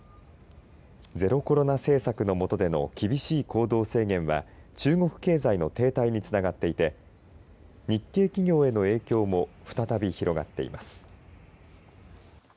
ゼロコロナ政策の下での厳しい行動制限は中国経済の停滞につながっていて日系企業への影響も再び広がっています。